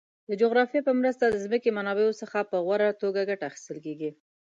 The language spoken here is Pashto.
د جغرافیه په مرسته د ځمکې منابعو څخه په غوره توګه ګټه اخیستل کیږي.